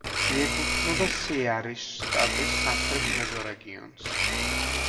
მიეკუთვნება სეარის შტატის სამხრეთ მეზორეგიონს.